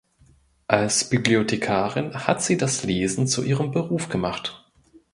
Als Bibliothekarin hat sie das Lesen zu ihrem Beruf gemacht.